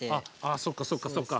あそっかそっかそっか。